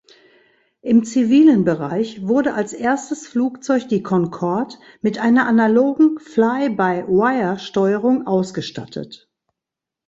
Im zivilen Bereich wurde als erstes Flugzeug die Concorde mit einer analogen Fly-by-Wire-Steuerung ausgestattet.